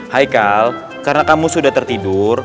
hai kal karena kamu sudah tertidur